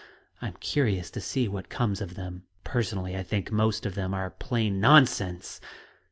I'm curious to see what comes of them. Personally, I think most of them are plain nonsense!"